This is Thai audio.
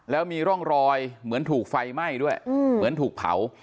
แล้วมีร่องรอยเหมือนถูกไฟไหม้ด้วยเหมือนถูกเผา